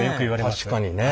確かにね。